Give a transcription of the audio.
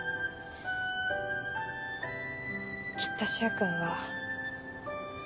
きっと柊君は。